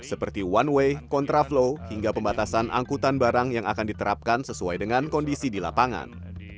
seperti one way contraflow hingga pembatasan angkutan barang yang akan diterapkan sesuai dengan kondisi di lapangan